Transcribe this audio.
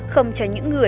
không cho những người